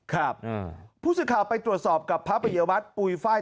ครับผู้สื่อข่าวไปตรวจสอบกับพระปริยวัตรปุ๋ยไฟล